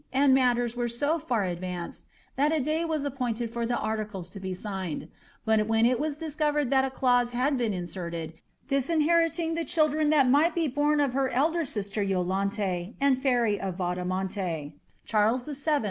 and mailers were so far advanced that a day was B|>pointed for the ariicles to be signed ; but when it was discovered that a clausa had been inserted, disinheriting the children that might be borti of lier tider sister Tolante and Ferry of Vaudemonte, Charles Vll